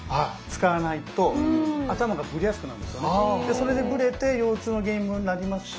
それでブレて腰痛の原因にもなりますし。